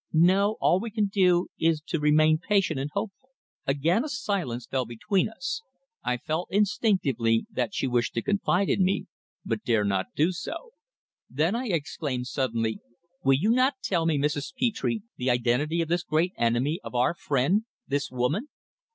"No, all we can do is to remain patient and hopeful." Again a silence fell between us. I felt instinctively that she wished to confide in me, but dare not do so. Therefore I exclaimed suddenly: "Will you not tell me, Mrs. Petre, the identity of this great enemy of our friend this woman?